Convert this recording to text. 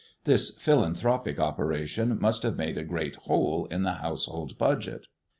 This philanthropic operation must have made a great hole in the household budget.